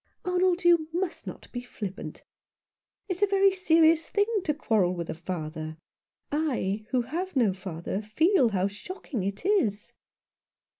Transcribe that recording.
"Arnold, you must not be flippant. It is a very serious thing to quarrel with a father. I, who have no father, feel how shocking it is."